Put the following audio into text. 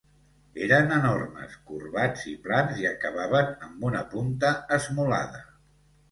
Eren enormes, corbats i plans i acabaven amb una punta esmolada.